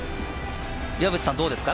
岩渕さん、どうですか？